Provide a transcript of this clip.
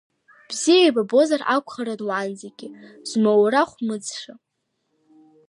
Бзиа еибабозар акәхарын уаанӡагьы, змоурахә мыӡша…